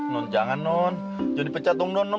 non jangan non jangan dipecat dong non